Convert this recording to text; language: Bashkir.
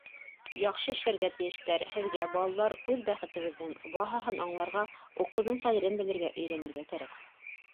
Яҡшы эшләргә тейештәр, һеҙгә, балалар, үҙ бәхетебеҙҙең баһаһын аңларға, уҡыуҙың ҡәҙерен белергә өйрәнергә кәрәк.